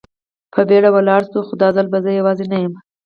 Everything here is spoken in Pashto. په بېړه ولاړ شو، خو دا ځل به زه یوازې نه یم.